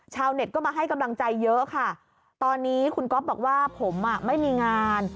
เน็ตก็มาให้กำลังใจเยอะค่ะตอนนี้คุณก๊อฟบอกว่าผมอ่ะไม่มีงาน